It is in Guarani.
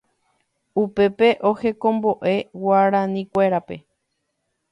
upépe ohekombo'e Guarinikuérape